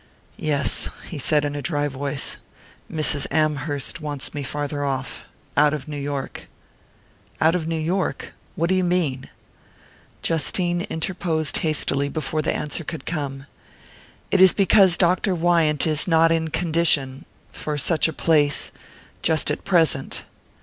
"Yes," he said in a dry voice. "Mrs. Amherst wants me farther off out of New York." "Out of New York? What do you mean?" Justine interposed hastily, before the answer could come. "It is because Dr. Wyant is not in condition for such a place just at present."